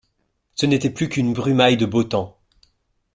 Ce n’était qu’une brumaille de beau temps